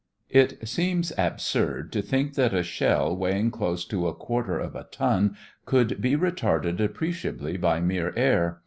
It seems absurd to think that a shell weighing close to a quarter of a ton could be retarded appreciably by mere air.